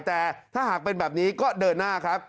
แต่ถ้าหากเป็นแบบนี้ก็เดินหน้าครับ